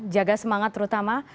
jaga semangat terutama